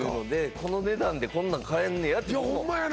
この値段でこんなん買えんねやっていやホンマやな